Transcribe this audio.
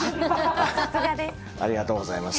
ありがとうございます。